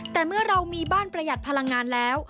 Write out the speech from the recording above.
แต่เมื่อเรามีบ้านประหยัดพลังงานแล้ว